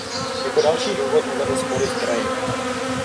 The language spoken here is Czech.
Jako další důvod uvedl spory v kraji.